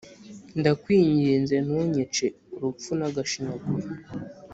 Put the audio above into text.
ndakwiginze ntunyice urupfu n’agashinyaguro”